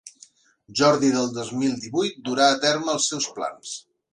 Jordi del dos mil divuit durà a terme els seus plans.